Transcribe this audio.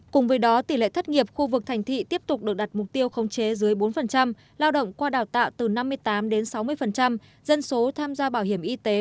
cùng với đó tỷ lệ thất nghiệp khu vực thành thị tiếp tục được đặt mục tiêu không chế dưới bốn lao động qua đào tạo từ năm mươi tám sáu mươi dân số tham gia bảo hiểm y tế tám mươi năm hai